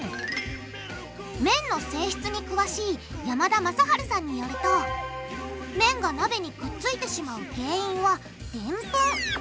麺の性質に詳しい山田昌治さんによると麺が鍋にくっついてしまう原因はでんぷん。